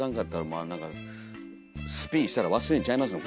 もう何かスピンしたら忘れんちゃいますの？